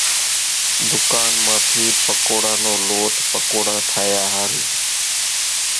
ڌُڪان مان ٿي پڪوڙان نو لوٽ پڪوڙان ٺاھيا ۿارُو